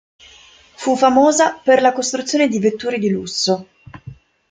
Fu famosa per la costruzione di vetture di lusso.